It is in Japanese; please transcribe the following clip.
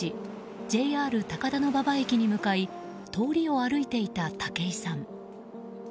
ＪＲ高田馬場駅に向かい通りを歩いていた武井さん。